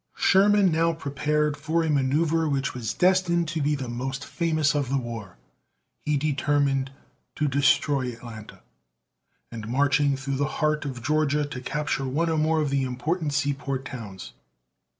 Sherman now prepared for a manoeuvre which was destined to be the most famous of the war. He determined to destroy Atlanta, and, marching through the heart of Georgia, to capture one or more of the important seaport towns.